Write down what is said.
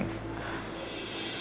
cuma masalah kecil kok mbak